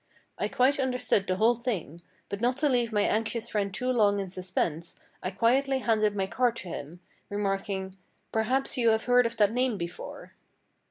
I quite understood the whole thing; but not to leave my anxious friend too long in suspense I quietly handed my card to him, remarking, "Perhaps you have heard of that name before."